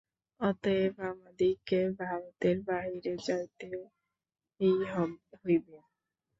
অতএব আমাদিগকে ভারতের বাহিরে যাইতেই হইবে।